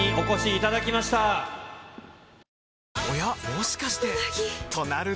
もしかしてうなぎ！